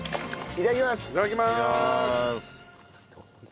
いただきます！